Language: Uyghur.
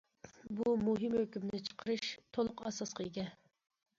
بۇ مۇھىم ھۆكۈمنى چىقىرىش تولۇق ئاساسقا ئىگە.